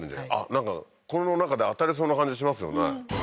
なんかこの中で当たりそうな感じしますよね